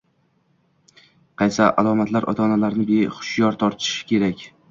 Qaysi alomatlar ota-onalarni hushyor torttirishi kerak?